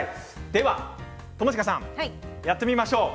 では友近さんやってみましょう。